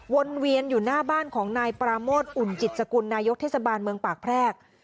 เวียนอยู่หน้าบ้านของนายปราโมทอุ่นจิตสกุลนายกเทศบาลเมืองปากแพรก